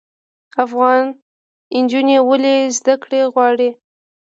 افغان نجونې ولې زده کړې غواړي؟